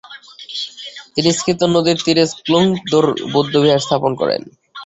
তিনি স্ক্যিদ নদীর তীরে ক্লোং-র্দোল বৌদ্ধবিহার স্থাপন করেন।